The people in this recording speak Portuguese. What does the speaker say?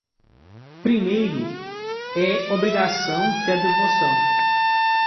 Primeiro é a obrigação que devoção.